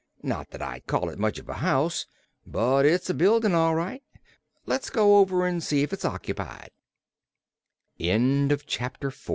Not that I'd call it much of a house, but it's a buildin', all right. Let's go over an' see if it's occypied." Chapter Five The Littl